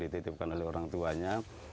dititipkan oleh orang tuanya